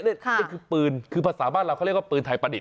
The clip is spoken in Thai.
นี่คือปืนคือภาษาบ้านเราเขาเรียกว่าปืนไทยประดิษฐ